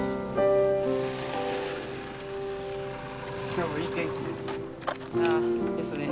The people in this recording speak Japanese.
今日もいい天気ですね。